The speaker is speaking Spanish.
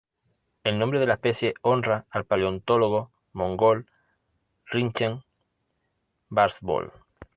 El nombre de la especie honra al paleontólogo mongol Rinchen Barsbold.